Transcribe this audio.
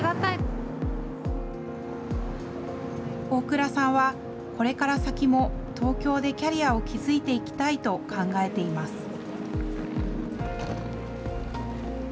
大蔵さんは、これから先も東京でキャリアを築いていきたいと考えています。